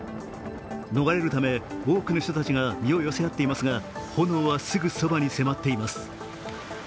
逃れるため、多くの人たちが身を寄せ合っていますが、炎はすぐそばに迫っています。